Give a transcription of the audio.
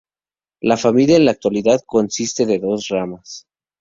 La familia en la actualidad consiste de dos ramas.